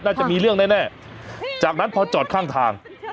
น่าจะมีเรื่องแน่จากนั้นพอจอดข้างทาง